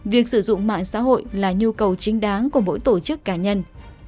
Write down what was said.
việc sử dụng mạng xã hội là nhu cầu chính đáng của mỗi tổ chức cá nhân